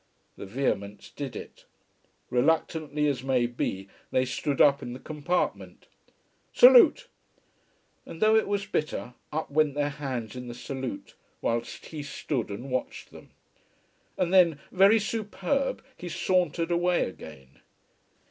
The vehemence did it. Reluctantly as may be, they stood up in the compartment. "Salute!" And though it was bitter, up went their hands in the salute, whilst he stood and watched them. And then, very superb, he sauntered away again.